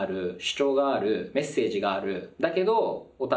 だけど。